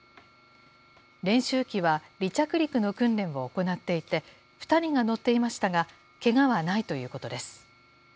練習機は、離着陸の訓練を行っていて、２人が乗っていましたが、けがはないということです。